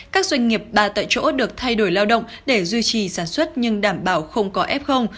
các doanh nghiệp ba tại chỗ được thay đổi lao động để duy trì sản xuất nhưng đảm bảo không có f